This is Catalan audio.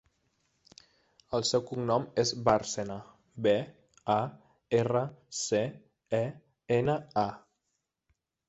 El seu cognom és Barcena: be, a, erra, ce, e, ena, a.